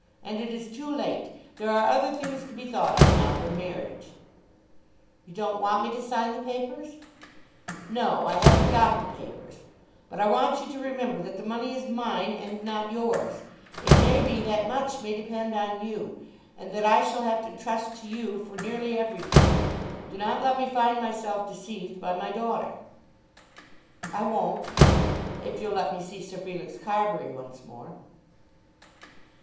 And it is too late. There are other things to be thought of now than marriage." "You don't want me to sign the papers?" "No; I haven't got the papers. But I want you to remember that the money is mine and not yours. It may be that much may depend on you, and that I shall have to trust to you for nearly everything. Do not let me find myself deceived by my daughter." "I won't, if you'll let me see Sir Felix Carbury once more."